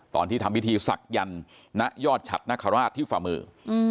ตอนที่ทำพิธีศักดิ์ณยอดฉัดนคราชที่ฝ่ามือ